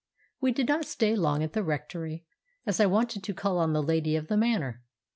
We did not stay long at the rectory, as I wanted to call on the lady of the manor.